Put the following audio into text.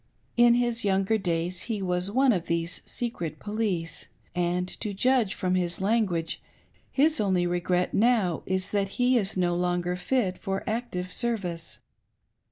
In his younger ^ilays he was one of these secret police, and, to judge from his language, his only regret now is that he is no longer fit f of active service.